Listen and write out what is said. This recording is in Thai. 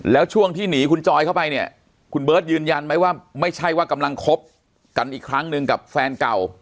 แล้วช่วงที่หนีคุณจอยเข้าไปเนี่ยคุณเบิร์ตยืนยันไหมว่าไม่ใช่ว่ากำลังคบกันอีกครั้งหนึ่งกับแฟนเก่า